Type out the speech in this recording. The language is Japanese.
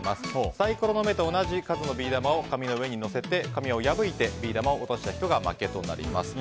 サイコロの目と同じ数のビー玉を紙の上に乗せて紙を破いてビー玉を落とした人が負けとなります。